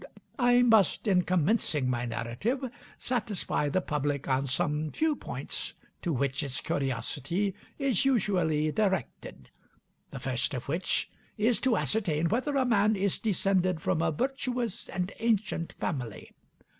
I must, in commencing my narrative, satisfy the public on some few points to which its curiosity is usually directed; the first of which is to ascertain whether a man is descended from a virtuous and ancient family....